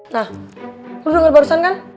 nah aduh denger barusan kan